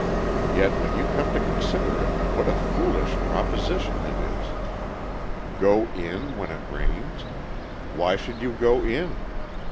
Yet when you come to consider it, what a foolish proposition it is! Go in when it rains? Why should you go in?